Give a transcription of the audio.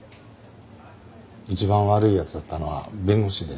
一番悪い奴だったのは弁護士でね。